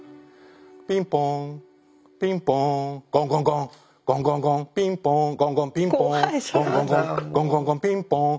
ピンポーンピンポーンゴンゴンゴンゴンゴンゴンピンポーンゴンゴンピンポーンゴンゴンゴンゴンゴンゴンピンポーン。